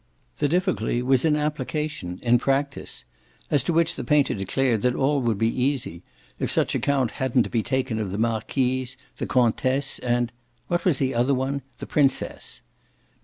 The difficulty was in application, in practice as to which the painter declared that all would be easy if such account hadn't to be taken of the marquise, the comtesse and what was the other one? the princess.